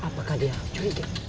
caramku apakah dia mencurigai